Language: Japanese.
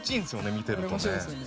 見てるとね。